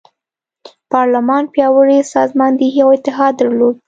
پارلمان پیاوړې سازماندهي او اتحاد درلود.